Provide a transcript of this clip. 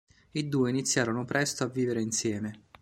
I due iniziarono presto a vivere insieme.